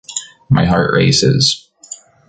My heart races.